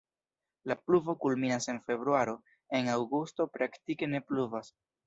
La pluvo kulminas en februaro, en aŭgusto praktike ne pluvas.